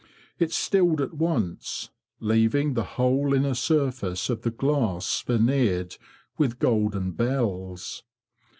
It stilled at once, leaving the whole inner surface of the glass veneered with golden bells.